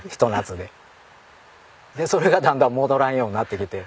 でそれがだんだん戻らんようになってきて。